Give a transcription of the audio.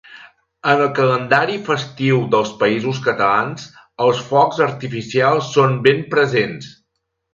En el calendari festiu dels Països Catalans, els focs artificials són ben presents.